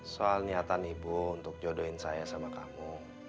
soal niatan ibu untuk jodohin saya sama kamu